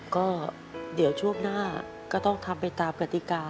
ก็เดี๋ยวช่วงหน้าก็ต้องทำไปตามกติกา